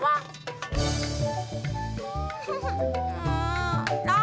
bang pesen sate rp dua puluh tujuh bang ya